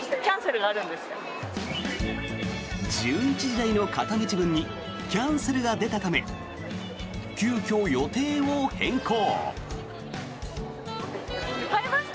１１時台の片道分にキャンセルが出たため急きょ、予定を変更。